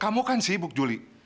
kamu kan sibuk juli